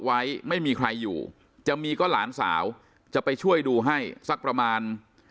ไว้ไม่มีใครอยู่จะมีก็หลานสาวจะไปช่วยดูให้สักประมาณ